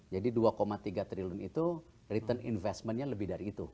jadi dua tiga triliun itu return investmentnya lebih dari itu